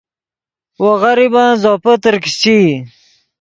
وو غریبن زوپے ترکیشچئی